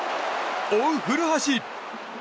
追う古橋。